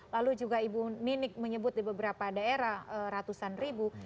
lalu juga ibu ninik menyebut di beberapa daerah ratusan ribu